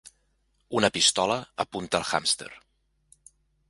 Una pistola apunta el hàmster.